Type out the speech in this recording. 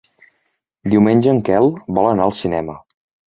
Diumenge en Quel vol anar al cinema.